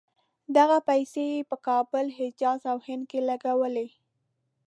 دغه پیسې یې په کابل، حجاز او هند کې لګولې.